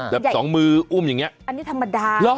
สองมืออุ้มอย่างนี้อันนี้ธรรมดา